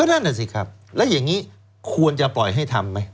นั่นน่ะสิครับแล้วอย่างนี้ควรจะปล่อยให้ทำไหม